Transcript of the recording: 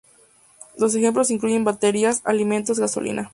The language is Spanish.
Los ejemplos incluyen baterías, alimentos, gasolina.